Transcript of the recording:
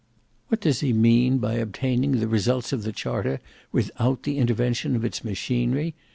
"What does he mean by obtaining the results of the charter without the intervention of its machinery?"